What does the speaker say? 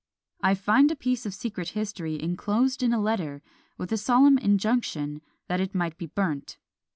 I find a piece of secret history enclosed in a letter, with a solemn injunction that it might be burnt.